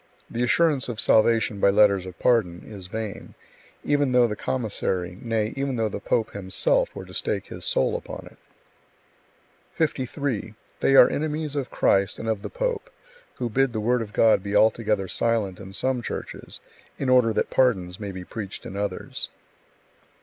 The assurance of salvation by letters of pardon is vain, even though the commissary, nay, even though the pope himself, were to stake his soul upon it. 53. They are enemies of Christ and of the pope, who bid the Word of God be altogether silent in some Churches, in order that pardons may be preached in others.